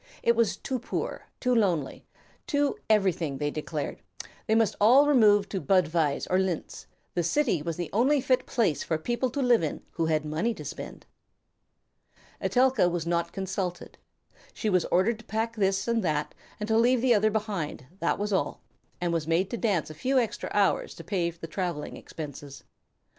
It was too poor, too lonely, too everything, they declared; they must all remove to Budweis or Linz; the city was the only fit place for people to live in who had money to spend. Etelka was not consulted. She was ordered to pack this and that, and to leave the other behind, that was all, and was made to dance a few extra hours to pay the travelling expenses.